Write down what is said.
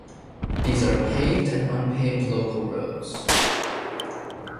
These are paved and unpaved local roads.